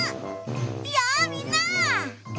やあみんな！